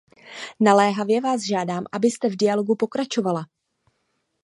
Naléhavě vás žádám, abyste v dialogu pokračovala.